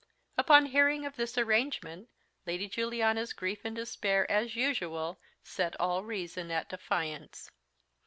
Upon hearing of this arrangement Lady Juliana's grief and despair, as usual, set all reason at defiance.